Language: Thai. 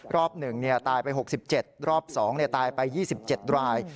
รอบหนึ่งตายไป๖๗รอบสองตายไป๒๗ราย